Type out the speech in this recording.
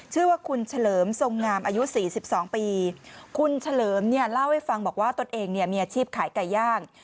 ชื่อว่าคุณเฉลิมทรงงามอายุสี่สิบสองปีคุณเฉลิมเนี่ยเล่าให้ฟังบอกว่าตนเองเนี่ยมีอาชีพขายไก่ย่าง